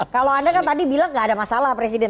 kalau anda kan tadi bilang nggak ada masalah presiden